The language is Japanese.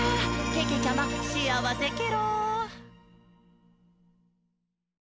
けけちゃま、しあわせケロ！」